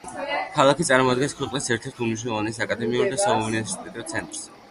ქალაქი წარმოადგენს ქვეყნის ერთ-ერთ უმნიშვნელოვანეს აკადემიურ და საუნივერსიტეტო ცენტრს.